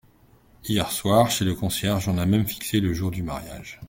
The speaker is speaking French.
Hier soir, chez le concierge, on a même fixé le jour du mariage.